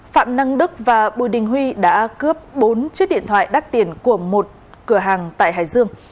phạm năng đức và bùi đình huy đã cướp bốn chiếc điện thoại đắt tiền của một cửa hàng tại hải dương